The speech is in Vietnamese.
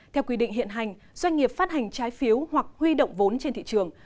theo quy định hiện hành doanh nghiệp phát hành trái phiếu hoặc huy động vốn trên thị trường